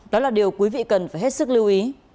đó là điều quý vị cần phải hết sức lưu ý